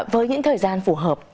với những thời gian phù hợp